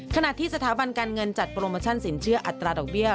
ขณะที่สถาบันการเงินจัดโปรโมชั่นสินเชื่ออัตราดอกเบี้ย